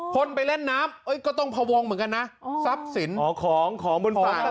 คนไปเล่นน้ำเอ้ยก็ต้องพวงเหมือนกันนะซับสินอ๋อของของบนฝั่ง